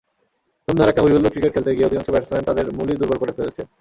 ধুম-ধাড়াক্কা, হই-হুল্লোড় ক্রিকেট খেলতে গিয়ে অধিকাংশ ব্যাটসম্যান তাঁদের মূলই দুর্বল করে ফেলছেন।